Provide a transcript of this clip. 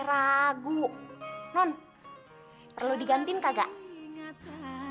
ragu non perlu diganti enggak